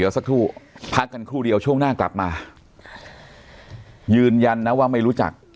สักครู่พักกันครู่เดียวช่วงหน้ากลับมายืนยันนะว่าไม่รู้จัก